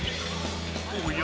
おや？